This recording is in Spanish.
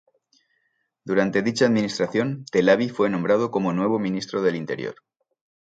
Durante dicha administración, Telavi fue nombrado como nuevo ministro del Interior.